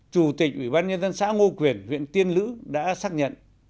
chủ tịch ủy ban nhân dân xã ngô quyền huyện tiên lữ đã xác nhận